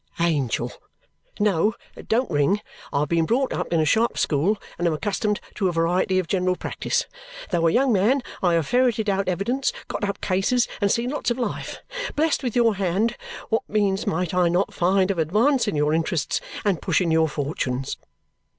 Angel! No, don't ring I have been brought up in a sharp school and am accustomed to a variety of general practice. Though a young man, I have ferreted out evidence, got up cases, and seen lots of life. Blest with your hand, what means might I not find of advancing your interests and pushing your fortunes!